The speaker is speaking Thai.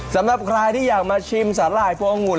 สำหรับใครที่อยากมาชิมสาหร่ายพวงองุ่น